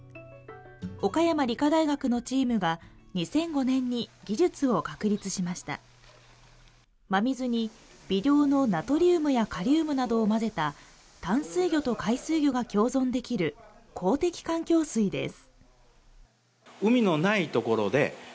岡山理科大学のチームが２００５年に技術を確立しました真水に微量のナトリウムやカリウムなどを混ぜた淡水魚と海水魚が共存できる好適環境水です